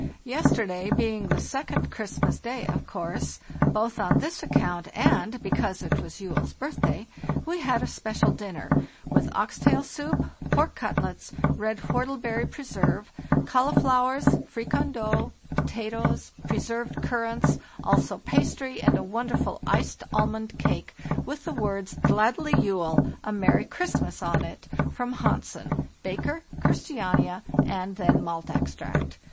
Yesterday, being 'the Second Christmas day, of course, both on this account and because it was Juell's birthday, we had a special dinner, with oxtail soup, pork cutlets, red whortle berry preserve, cauliflowers, fricandeau, potatoes, pre served currants, also pastry, and a wonderful iced almond cake with the words ' Glaedelig Jul' (A Merry Christmas) on it, from Hansen, baker, Christiania, and then malt extract.